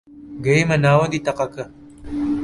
گەیمە ناوەندی تەقەکە